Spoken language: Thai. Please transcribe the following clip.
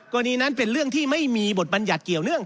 กรณีนั้นเป็นเรื่องที่ไม่มีบทบัญญัติเกี่ยวเนื่อง